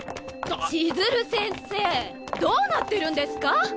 千鶴先生どうなってるんですか